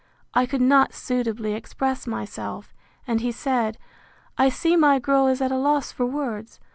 I could not suitably express myself: And he said, I see my girl is at a loss for words!